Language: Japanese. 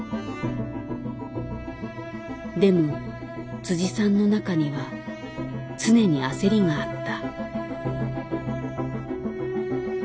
でもさんの中には常に焦りがあった。